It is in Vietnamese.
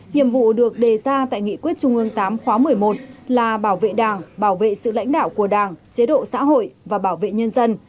nhiệm vụ được đề ra tại nghị quyết trung ương tám khóa một mươi một là bảo vệ đảng bảo vệ sự lãnh đạo của đảng chế độ xã hội và bảo vệ nhân dân